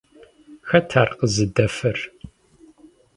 Хэт ар къызыдэфэр?